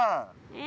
え？